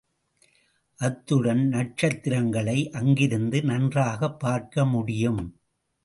அத்துடன் நட்சத்திரங்களை அங்கிருந்து நன்றாகப் பார்க்க முடியும்.